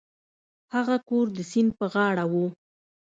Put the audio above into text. هغه کور د سیند په غاړه و.